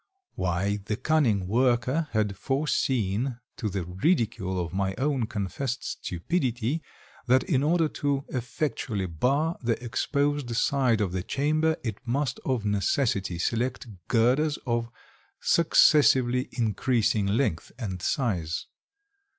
Why, the cunning worker had foreseen to the ridicule of my own confessed stupidity that in order to effectually bar the exposed side of the chamber it must of necessity select girders of successively increasing length and size.